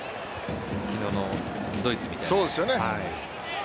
昨日のドイツみたいに。